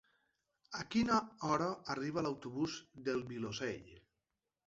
A quina hora arriba l'autobús del Vilosell?